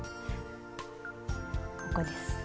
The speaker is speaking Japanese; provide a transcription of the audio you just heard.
ここです。